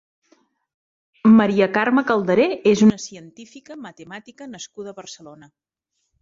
Maria-Carme Calderer és una científica matemàtica nascuda a Barcelona.